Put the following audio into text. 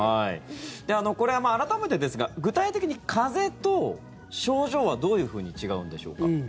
これ、改めてですが具体的に風邪と症状はどういうふうに違うんでしょうか。